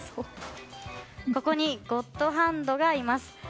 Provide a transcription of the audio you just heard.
ここに、ゴッドハンドがいます。